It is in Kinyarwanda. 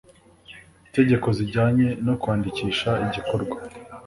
tegeko zijyanye no kwandikisha igikorwa